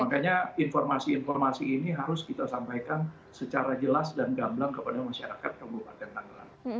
makanya informasi informasi ini harus kita sampaikan secara jelas dan gamblang kepada masyarakat kabupaten tangerang